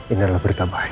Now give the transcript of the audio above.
ini adalah berita baik